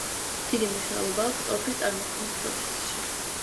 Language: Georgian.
დიდი მნიშვნელობა აქვს ტორფის წარმოქმნის პროცესში.